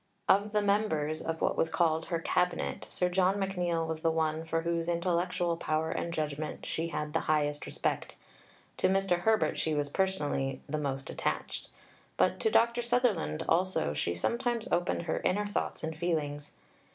Of the members of what was called her "Cabinet," Sir John McNeill was the one for whose intellectual power and judgment she had the highest respect, to Mr. Herbert she was personally the most attached, but to Dr. Sutherland also she sometimes opened her inner thoughts and feelings.